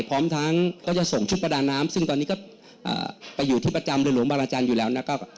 พร้อมทั้งก็จะส่งชุดประดาน้ำซึ่งตอนนี้ก็ไปอยู่ที่ประจำเรือหลวงบาราจันทร์อยู่แล้วนะครับ